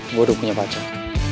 gue udah punya pacar